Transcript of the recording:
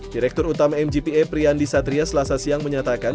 direktur utama mgpa priyandi satria selasa siang menyatakan